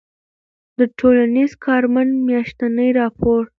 د ټـولنیـز کارمنــد میاشتنی راپــور